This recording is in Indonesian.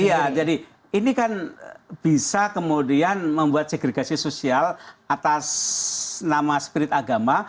iya jadi ini kan bisa kemudian membuat segregasi sosial atas nama spirit agama